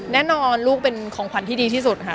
ลูกเป็นของขวัญที่ดีที่สุดค่ะ